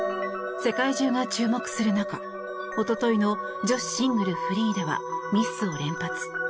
世界中が注目する中一昨日の女子シングルフリーではミスを連発。